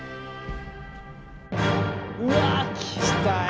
うわ来たよ。